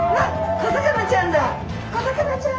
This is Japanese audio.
小魚ちゃん。